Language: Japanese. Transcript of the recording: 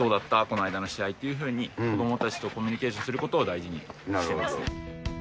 この間の試合っていうふうに、子どもたちとコミュニケーションすることを大事にしていますね。